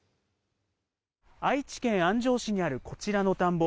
愛知県安城市にあるこちらの田んぼ。